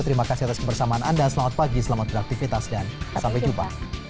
terima kasih atas kebersamaan anda selamat pagi selamat beraktivitas dan sampai jumpa